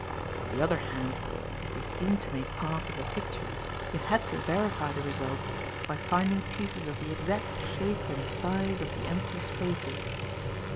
On the other hand, if they seemed to make parts of a picture you had to verify the result by finding pieces of the exact shape and size of the empty spaces.